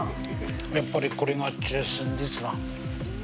やっぱりこれが中心ですわ。